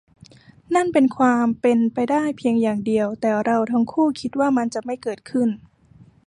นั่นเป็นความเป็นไปได้เพียงอย่างเดียว แต่เราทั้งคู่คิดว่ามันจะไม่เกิดขึ้น